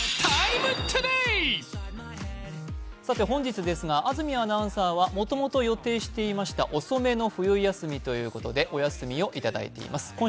本日ですが、安住アナウンサーはもともと予定していました遅めの冬休みということでお休みをいただいています。